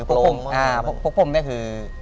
พกพ่มเนี่ยคือ